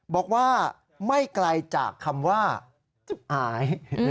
บอกว่าไม่ไกลจากคำว่าจุ๊บอาย